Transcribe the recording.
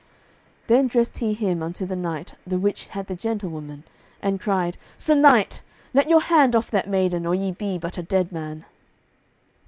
Then dressed he him unto the knight the which had the gentlewoman, and cried, "Sir knight, let your hand off that maiden, or ye be but a dead man."